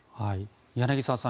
柳澤さん